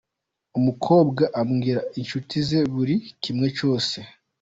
Umukobwa abwira inshuti ze buri kimwe cyose.